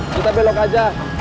kita belok aja